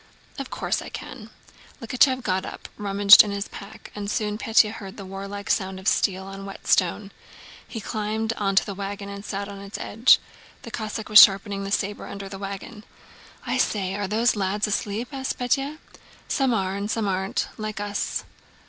"Of course I can." Likhachëv got up, rummaged in his pack, and soon Pétya heard the warlike sound of steel on whetstone. He climbed onto the wagon and sat on its edge. The Cossack was sharpening the saber under the wagon. "I say! Are the lads asleep?" asked Pétya. "Some are, and some aren't—like us."